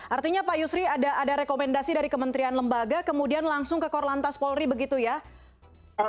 artinya pak yusri ada rekomendasi dari kementerian lembaga kemudian langsung ke korlantas polri begitu ya